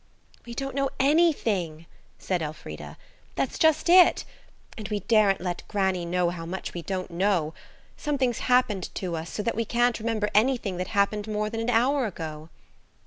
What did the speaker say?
"We don't know anything," said Elfrida; "that's just it. And we daren't let granny know how much we don't know. Something's happened to us, so that we can't remember anything that happened more than an hour ago."